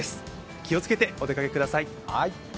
気をつけてお出かけください。